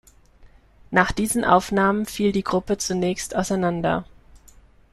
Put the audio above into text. Nach diesen Aufnahmen fiel die Gruppe zunächst auseinander.